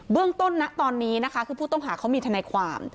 เรื่องต้นนะตอนนี้นะคะคือผู้ต้องหาเขามีทนายความ